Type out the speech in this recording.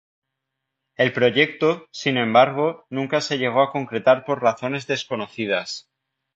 El proyecto, sin embargo, nunca se llegó a concretar por razones desconocidas.